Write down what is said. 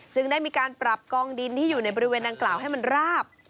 ได้มีการปรับกองดินที่อยู่ในบริเวณดังกล่าวให้มันราบ